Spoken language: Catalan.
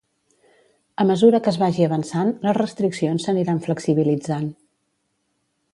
A mesura que es vagi avançant, les restriccions s’aniran flexibilitzant.